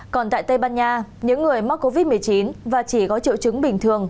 còn tại tây ban nha những người mắc covid một mươi chín và chỉ có triệu chứng bình thường